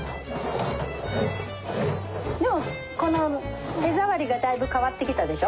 でもこの手触りがだいぶ変わってきたでしょ？